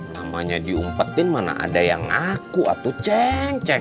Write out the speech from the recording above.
namanya diumpetin mana ada yang ngaku atau ceng ceng